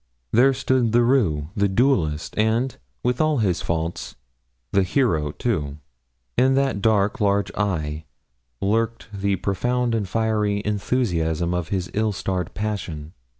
There stood the roué the duellist and, with all his faults, the hero too! In that dark large eye lurked the profound and fiery enthusiasm of his ill starred passion.